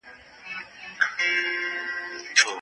یو بل بخښل دي.